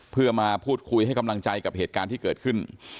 เพื่อมาพูดคุยให้กำลังใจกับเหตุการณ์ที่เกิดขึ้น